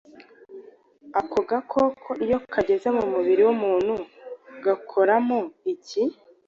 Ako gakoko iyo kageze mu mubiri w’umuntu gakoramo iki?